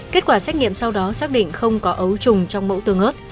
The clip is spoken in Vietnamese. kết quả xét nghiệm sau đó xác định không có ấu trùng trong mẫu tương ớt